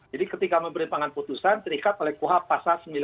jadi ketika memberikan pangan putusan terikat oleh kuha pasar sembilan puluh tujuh